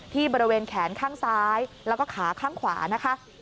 บริเวณแขนข้างซ้ายแล้วก็ขาข้างขวานะคะ